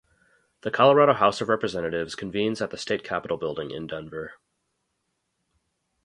The Colorado House of Representatives convenes at the State Capitol building in Denver.